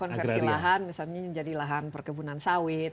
ya ini kan ada konversi lahan misalnya menjadi lahan perkebunan sawit